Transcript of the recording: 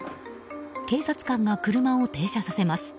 警察官が車を停車させます。